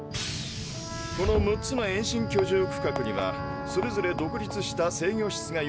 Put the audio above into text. この６つの遠心居住区画にはそれぞれ独立した制御室が用意されています。